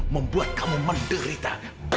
membuat kamu menderita